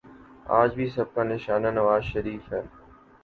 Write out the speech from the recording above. آج بھی سب کا نشانہ نوازشریف ہیں۔